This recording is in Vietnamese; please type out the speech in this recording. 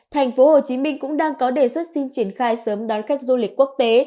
thành phố hồ chí minh cũng đang có đề xuất xin triển khai sớm đón khách du lịch quốc tế